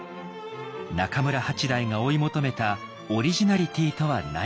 中村八大が追い求めたオリジナリティーとは何か。